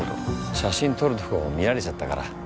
写真撮るとこ見られちゃったから。